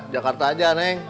jakarta aja neng